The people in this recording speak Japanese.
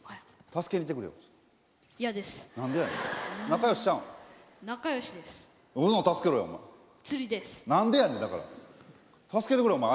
助けてくれお前。